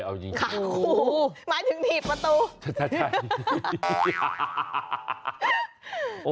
หมายถึงถีบประตู